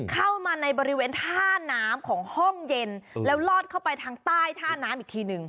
เข้ามาในบริเวณท่าน้ำของห้องเย็นแล้วลอดเข้าไปทางใต้ท่าน้ำอีกทีหนึ่ง